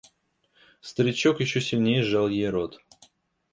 Старичок еще сильнее сжал ей рот.